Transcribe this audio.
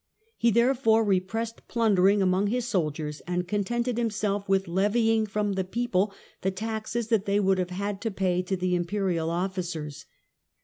He therefore repressed plunder ing among his soldiers, and contented himself with levying from the people the taxes that they would have had to pay to the Imperial officers.